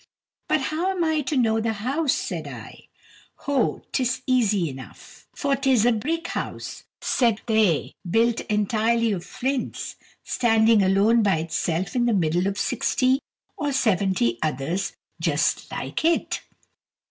"But how am I to know the house?" said I. "Ho, 't is easy enough," said they, "for 't is a brick house, built entirely of flints, standing alone by itself in the middle of sixty or seventy others just like it."